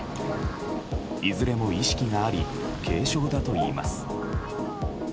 いずれも意識があり軽症だといいます。